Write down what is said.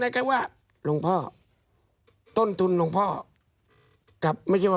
เดี๋ยวฉันคุยให้เองเพราะดูทรงแล้วขออนุญาตนะคะ